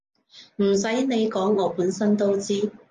唔使你講我本身都知